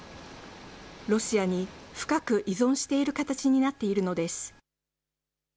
ロシアに深く依存している形になっているのです。